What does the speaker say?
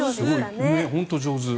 本当に上手。